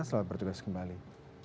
selamat bertugas kembali